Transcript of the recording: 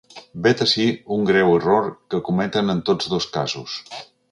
Vet ací un greu error que cometem en tots dos casos.